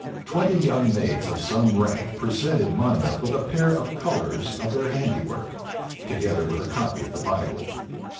Twenty young maids of some rank presented Monmouth with a pair of colors of their handiwork, together with a copy of the Bible.